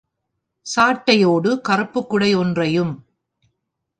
சாட்டையோடு, கறுப்புக் குடை ஒன்றையும்.